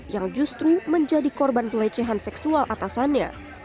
yang justru menjadi korban pelecehan seksual atasannya